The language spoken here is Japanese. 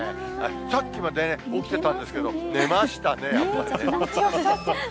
さっきまで起きてたんですけれども、寝ましたね、赤ちゃん。